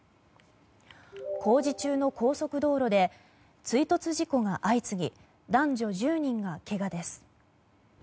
工事中の高速道路で追突事故が相次ぎ男女１０人がけがです。